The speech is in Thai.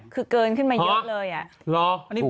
คือเกินขึ้นมาเยอะเลยอะ